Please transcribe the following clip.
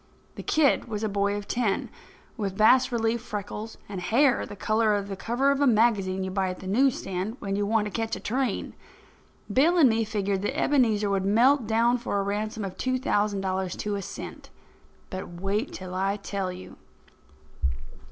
The kid was a boy of ten, with bas relief freckles, and hair the colour of the cover of the magazine you buy at the news stand when you want to catch a train. Bill and me figured that Ebenezer would melt down for a ransom of two thousand dollars to a cent. But wait till I tell you.